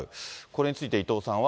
これについて、伊藤さんは。